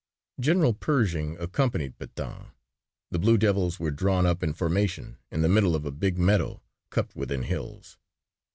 General Pershing accompanied Pétain. The blue devils were drawn up in formation in the middle of a big meadow cupped within hills.